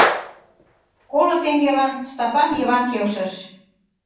Коло теҥгелан Стапан Йыван келшыш.